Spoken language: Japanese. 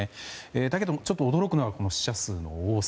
だけども、ちょっと驚くのは死者数の多さ。